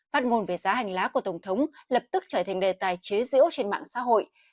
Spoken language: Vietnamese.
phát ngôn về giá hành lá của tổng thống lập tức trở thành đề tài chế diễu trên mạng xã hội